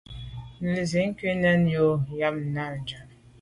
Nə nzìkuʼ nɛ̂n jə yò cwɛ̌d nja αm.